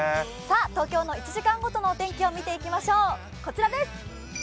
東京の１時間ごとのお天気を見ていきましょう、こちらです。